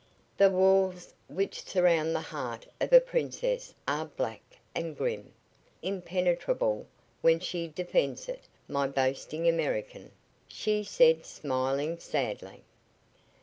"The walls which surround the heart of a princess are black and grim, impenetrable when she defends it, my boasting American," she said, smiling sadly.